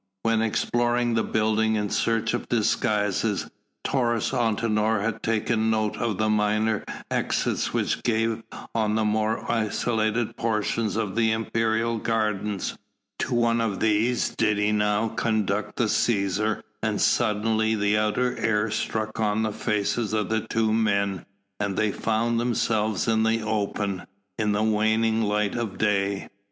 When exploring the building in search of disguises Taurus Antinor had taken note of the minor exits which gave on the more isolated portions of the imperial gardens; to one of these did he now conduct the Cæsar and suddenly the outer air struck on the faces of the two men and they found themselves in the open, in the waning light of day.